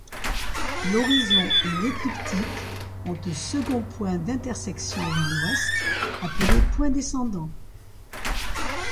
L'horizon et l'écliptique ont un second point d'intersection vers l'Ouest appelé point Descendant.